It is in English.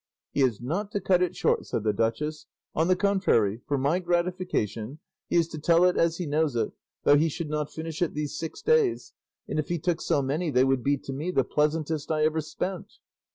"He is not to cut it short," said the duchess; "on the contrary, for my gratification, he is to tell it as he knows it, though he should not finish it these six days; and if he took so many they would be to me the pleasantest I ever spent."